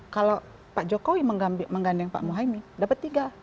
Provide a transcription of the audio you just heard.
kalau pak jokowi menggandeng pak muhaymin dapat tiga